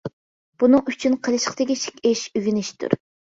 بۇنىڭ ئۈچۈن قىلىشقا تېگىشلىك ئىش ئۆگىنىشتۇر.